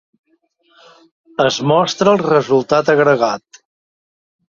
Es mostra el resultat agregat.